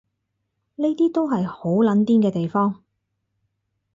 呢啲都係好撚癲嘅地方